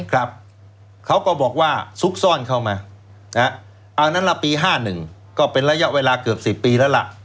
เขาก็บอกว่าซุกซ่อนเข้ามาเอานั้นละปี๕๑ก็เป็นระยะเวลาเกือบ๑๐ปีแล้วล่ะ